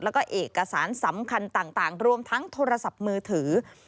แล้วก็เอกสารสำคัญต่างรวมทั้งโทรศัพท์มือถือ